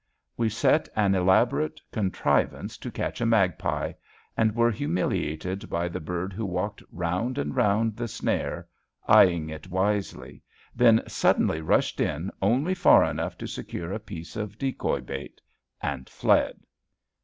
We set an elaborate contrivance to catch a magpie; and were humiliated by the bird who walked round and round the snare eying it wisely, then suddenly rushed in only far enough to secure a piece of decoy bait and fled.